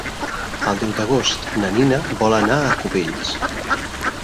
El deu d'agost na Nina vol anar a Cubells.